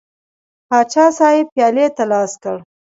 پاچا صاحب پیالې ته لاس کړ.